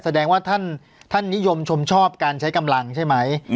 แสดงว่าท่านนิยมชมชอบการใช้กำลังใช่ไหม